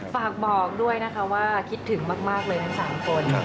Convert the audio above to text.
ฝากบอกด้วยนะคะว่าคิดถึงมากเลยทั้ง๓คน